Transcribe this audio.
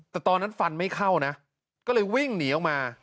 แต่ตอนนั้นฟันไม่เข้านะก็เลยวิ่งหนีออกมา